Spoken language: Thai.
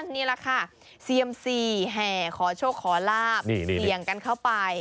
นี่แหละค่ะเซียมสี่แห่ขอโชคขอลาบเสี่ยงกันเข้าไป